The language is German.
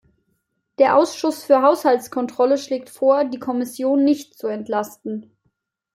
Der Ausschuss für Haushaltskontrolle schlägt vor, die Kommission nicht zu entlasten.